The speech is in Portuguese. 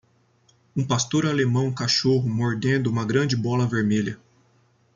um pastor alemão cachorro mordendo uma grande bola vermelha